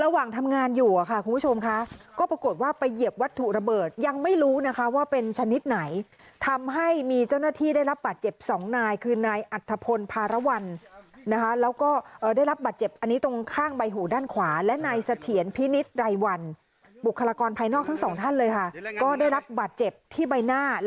ระหว่างทำงานอยู่อะค่ะคุณผู้ชมค่ะก็ปรากฏว่าไปเหยียบวัตถุระเบิดยังไม่รู้นะคะว่าเป็นชนิดไหนทำให้มีเจ้าหน้าที่ได้รับบาดเจ็บสองนายคือนายอัธพลภารวรรณนะคะแล้วก็ได้รับบาดเจ็บอันนี้ตรงข้างใบหูด้านขวาและนายเสถียรพินิษฐ์ไรวันบุคลากรภายนอกทั้งสองท่านเลยค่ะก็ได้รับบาดเจ็บที่ใบหน้า